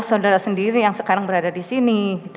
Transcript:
saudara sendiri yang sekarang berada di sini